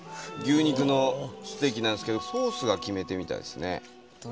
牛肉のステーキなんですけどソースが決め手みたいですね。